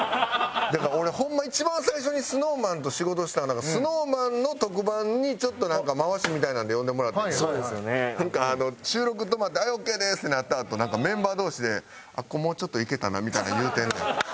だから俺ホンマ一番最初にＳｎｏｗＭａｎと仕事したのがＳｎｏｗＭａｎの特番にちょっとなんか回しみたいなんで呼んでもらってんけどなんか収録止まって「はいオーケーです！」ってなったあとなんかメンバー同士で「あそこもうちょっといけたな」みたいなの言うてんねん。